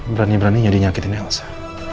berani beraninya dinyakitin elsa